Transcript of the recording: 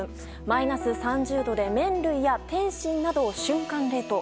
マイナス３０度で麺類や点心などを瞬間冷凍。